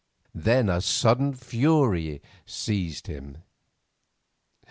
Then a sudden fury seized him.